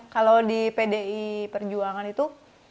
kalau di pdi perjuangan itu